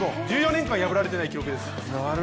１５年間破られていない記録です。